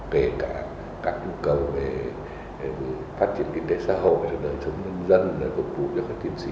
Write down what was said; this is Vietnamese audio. kể cả các nhu cầu về phát triển kinh tế xã hội để sống nhân dân để phục vụ cho các chiến sĩ